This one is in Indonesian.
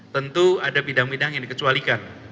tentu ada bidang bidang yang dikecualikan